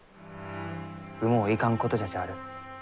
もういかんことじゃちある。